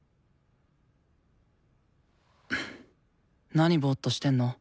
なにぼっとしてんの？